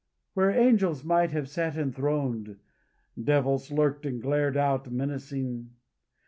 Where angels might have sat enthroned, devils lurked, and glared out menacing.